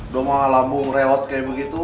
doma lambung reot kayak begitu